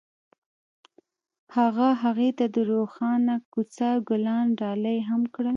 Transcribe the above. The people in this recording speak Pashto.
هغه هغې ته د روښانه کوڅه ګلان ډالۍ هم کړل.